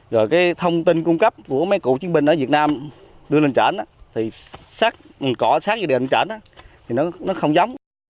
rồi cái thông tin cung cấp của mấy cụ chiến binh ở việt nam đưa lên trển thì có sát về địa hình trển thì nó không giống